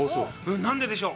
何ででしょう？